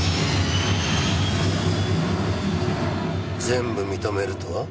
全部認めるとは？